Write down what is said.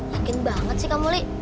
yakin banget sih kamu le